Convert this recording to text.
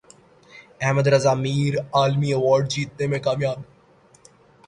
احد رضا میر عالمی ایوارڈ جیتنے میں کامیاب